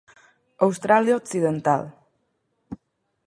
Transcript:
Austràlia Occidental.